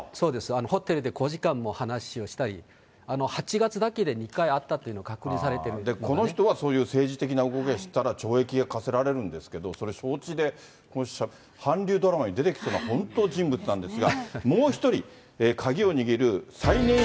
ホテルで５時間も話をしたり、８月だけで２回会ったというのがこの人はそういう政治的な動きをしてたら、懲役が科せられるんですけど、それ、承知で韓流ドラマに出てきそうな本当人物なんですが。